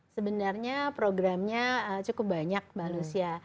sebenarnya programnya cukup banyak mbak lucia